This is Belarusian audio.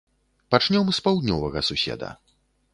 Пачнём з паўднёвага суседа.